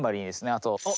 あと。